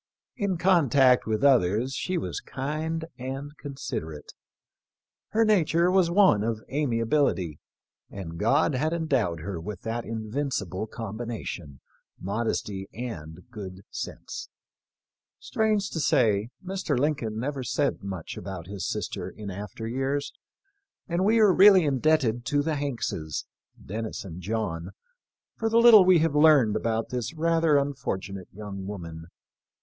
In contact with others she was kind and considerate. Her nature was one of amiability, and God had endowed her with that invincible combination — modesty and good sense. Strange to say, Mr. Lincoln never said much about his sister in after years, and we are really indebted to the Hankses — Dennis and John — for the little we have learned about this rather un fortunate young woman.